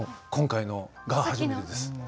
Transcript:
今回のが初めてです。